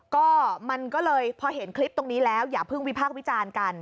ก็มันก็เลยพอเห็นคลิปตรงนี้แล้วอย่าเพิ่งวิพากษ์วิจารณ์กัน